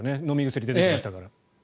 飲み薬が出てきましたから。